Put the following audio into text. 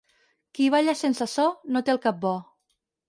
Qui balla sense so no té el cap bo.